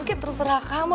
keh terserah kamu